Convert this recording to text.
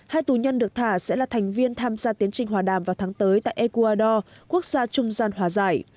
hai tù nhân được thả sẽ là thành viên tham gia tiến trình hòa đàm vào tháng tới tại ecuador quốc gia trung gian hòa giải